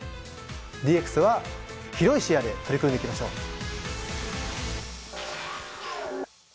ＤＸは広い視野で取り組んでいきましょう。